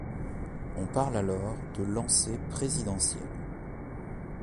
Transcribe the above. On parle alors de lancer présidentiel.